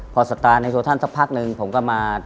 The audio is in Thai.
พอศัฒนาในโทษธรรมสักพักนึงผมก็มา